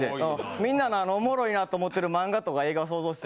みんながおもろいと思ってるマンガとか映画想像して。